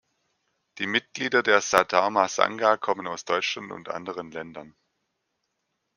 Die Mitglieder der Saddharma-Sangha kommen aus Deutschland und anderen Ländern.